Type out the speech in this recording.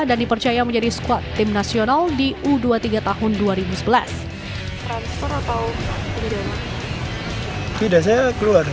dan dipercaya menjadi squad tim nasional di uu